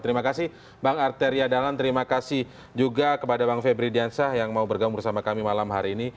terima kasih bang arteria dalan terima kasih juga kepada bang febri diansyah yang mau bergabung bersama kami malam hari ini